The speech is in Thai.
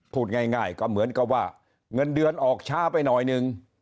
พูดง่ายก็เหมือนกับว่าเงินเดือนออกช้าไปหน่อยนึง